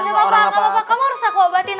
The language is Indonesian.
gak apa apa kamu harus aku obatin